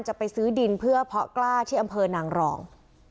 จะไปซื้อดินเพื่อเพาะกล้าที่อำเภอนางรอง